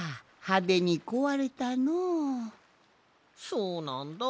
そうなんだ。